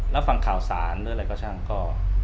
แล้วฟังข่าวสารหรืออะไรก็ช่างก็